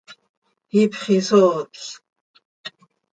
Ihpxisootlc.